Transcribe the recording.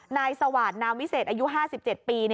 นายสวัสดิ์นามิเสศอายุ๕๗ปี